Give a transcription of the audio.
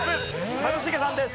一茂さんです。